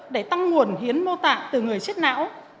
để tăng nguồn hiến mô tạng từ người chết não